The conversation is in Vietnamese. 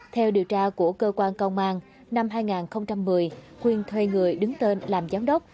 theo điều tra của cơ quan công an năm hai nghìn một mươi khuyên thuê người đứng tên làm giám đốc